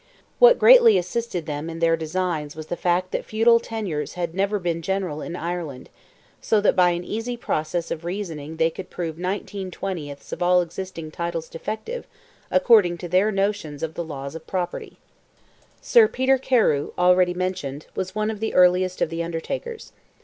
What greatly assisted them in their designs was the fact that feudal tenures had never been general in Ireland, so that by an easy process of reasoning they could prove nineteen twentieths of all existing titles "defective," according to their notions of the laws of property. Sir Peter Carew, already mentioned, was one of the earliest of the Undertakers.